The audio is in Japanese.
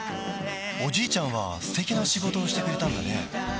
おじいちゃんは素敵な仕事をしてくれたんだね